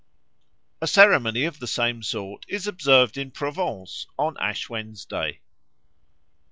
A ceremony of the same sort is observed in Provence on Ash Wednesday.